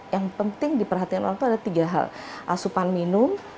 yang penting diperhatikan orang itu ada tiga hal asupan minum